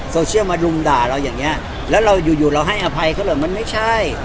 โซเชียลมารุมด่าเราอย่างเงี้ยแล้วเราอยู่อยู่เราให้อภัยเขาเหรอมันไม่ใช่